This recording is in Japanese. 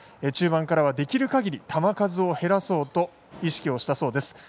中盤からはできるかぎり球数を減らそうと意識をしたそうです。